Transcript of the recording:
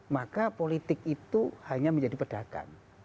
maka politik itu hanya menjadi pedagang